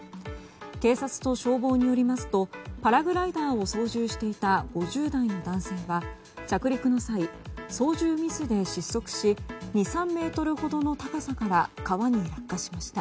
警察と消防によりますとパラグライダーを操縦していた５０代の男性は着陸の際操縦ミスで失速し２３ｍほどの高さから川に落下しました。